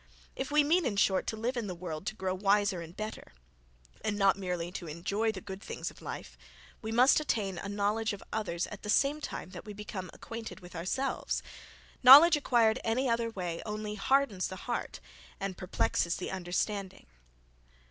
If we mean, in short, to live in the world to grow wiser and better, and not merely to enjoy the good things of life, we must attain a knowledge of others at the same time that we become acquainted with ourselves knowledge acquired any other way only hardens the heart and perplexes the understanding.